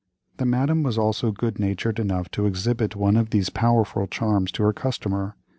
The Madame was also good natured enough to exhibit one of these powerful charms to her customer.